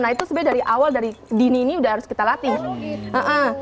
nah itu sebenarnya dari awal dari dini ini udah harus kita latih